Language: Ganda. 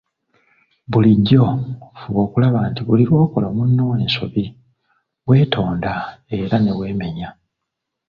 Bulijjo fuba okulaba nti buli lw'okola munno ensobi weetonda era neweemenya.